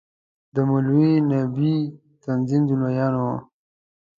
د مولوي نبي تنظیم د ملايانو وو.